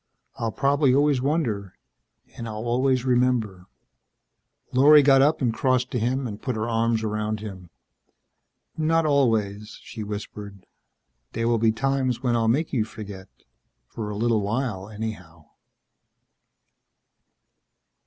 I'll probably always wonder and I'll always remember...." Lorry got up and crossed to him and put her arms around him. "Not always," she whispered. "There will be times when I'll make you forget. For a little while, anyhow."